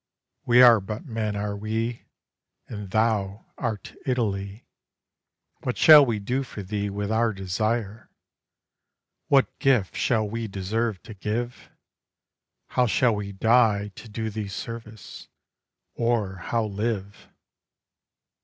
We are but men, are we, And thou art Italy; What shall we do for thee with our desire? What gift shall we deserve to give? How shall we die to do thee service, or how live?